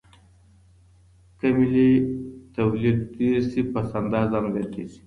که ملي توليد ډېر سي پس انداز هم زياتيږي.